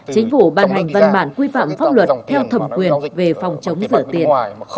chính phủ ban hành văn bản quy phạm pháp luật theo thẩm quyền về phòng chống rửa tiền